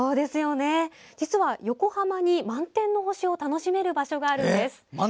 実は横浜に満天の星を楽しめる場所があるんです。